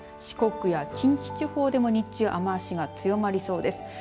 四国や近畿地方でも日中雨足が強まりそうです。